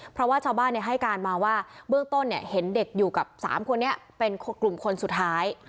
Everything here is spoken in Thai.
เพราะว่าชาวบ้านให้การมาว่าเบื้องต้นเห็นเด็กอยู่กับ๓คนนี้เป็นกลุ่มคนสุดท้าย